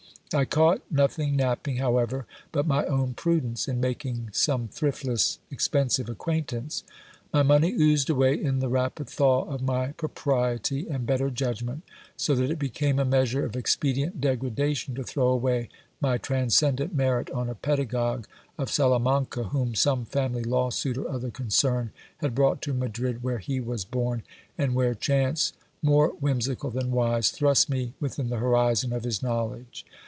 I caught nothing napping, however, but my own prudence, in making some thriftless, expensive acquaintance. My money oozed away in the rapid thaw of my pro priety and better judgment, so that it became a measure of expedient degrada tion to throw away my trauscendant merit on a pedagogue of Salamanca, whom some family lawsuit or other concern had brought to Madrid, where he was born, and where chance, more whimsical than wise, thrust me within the horizon of his knowledge.